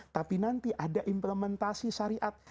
tapi nanti ada implementasi syariat